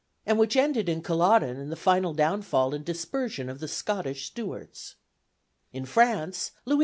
and which ended in Culloden and the final downfall and dispersion of the Scottish Stuarts. In France, Louis XV.